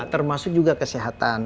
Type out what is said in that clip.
termasuk juga kesehatan